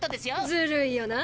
ずるいよな。